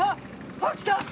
あっきた！